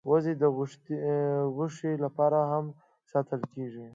وزې د غوښې لپاره هم ساتل کېږي